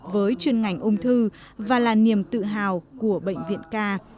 với chuyên ngành ung thư và là niềm tự hào của bệnh viện ca